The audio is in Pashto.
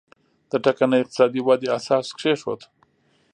د ټکنۍ اقتصادي ودې اساس کېښود.